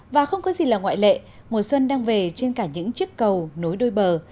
và không có gì là ngoại lệ mùa xuân đang về trên cả những chiếc cầu nối đôi bờ